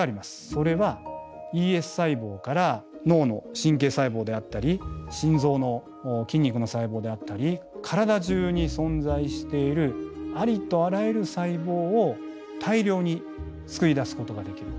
それはＥＳ細胞から脳の神経細胞であったり心臓の筋肉の細胞であったり体中に存在しているありとあらゆる細胞を大量につくり出すことができる。